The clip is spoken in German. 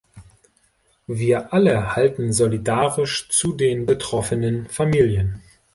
Wir alle halten solidarisch zu den betroffenen Familien.